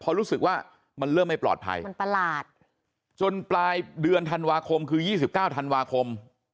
พอรู้สึกว่ามันเริ่มไม่ปลอดภัยมันประหลาดจนปลายเดือนธันวาคมคือ๒๙ธันวาคม